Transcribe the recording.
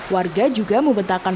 warga juga membentangkan